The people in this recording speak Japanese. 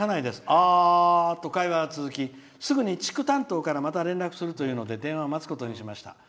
「あー」と会話は続きすぐに地区担当からまた連絡するというので電話を待つことにしました。